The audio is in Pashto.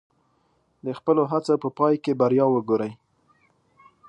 د خپلو هڅو په پای کې بریا وګورئ.